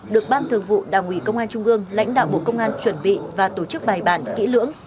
được ban thường vụ đảng ủy công an trung ương lãnh đạo bộ công an chuẩn bị và tổ chức bài bản kỹ lưỡng